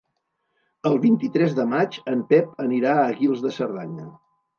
El vint-i-tres de maig en Pep anirà a Guils de Cerdanya.